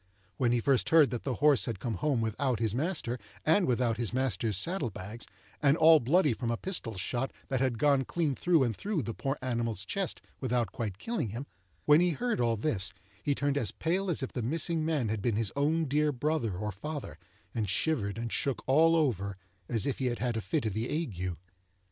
When he first heard that the horse had come home without his master, and without his master's saddle bags, and all bloody from a pistol shot, that had gone clean through and through the poor animal's chest without quite killing him; when he heard all this, he turned as pale as if the missing man had been his own dear brother or father, and shivered and shook all over as if he had had a fit of the ague.